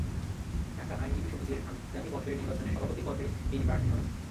ঢাকা আইনজীবী সমিতির আগামী বছরের নির্বাচনে সভাপতি পদে তিনি প্রার্থী হবেন।